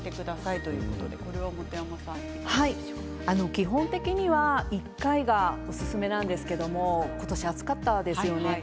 基本的には１回がおすすめなんですけれども今年、暑かったですよね。